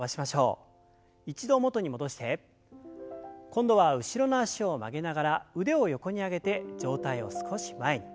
今度は後ろの脚を曲げながら腕を横に上げて上体を少し前に。